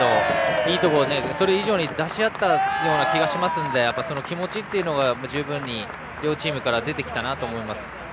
いいところを、それ以上に出し合った気がしますしその気持ちというのは十分に両チームから出てきたなと思います。